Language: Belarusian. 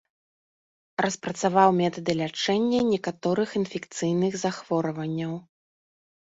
Распрацаваў метады лячэння некаторых інфекцыйных захворванняў.